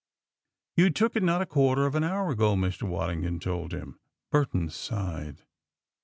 "You took it not a quarter of an hour ago," Mr. Waddington told him. Burton sighed.